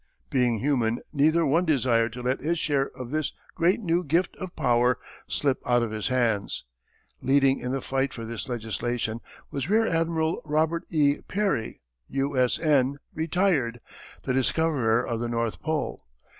Being human neither one desired to let his share of this great new gift of power slip out of his hands. Leading in the fight for this legislation was Rear Admiral Robert E. Peary, U. S. N., retired, the discoverer of the North Pole.